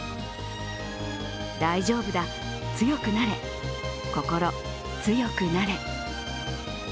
大丈夫だ、強くなれ心強くなれ。